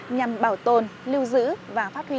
nhằm bảo tồn lưu giữ và phát huy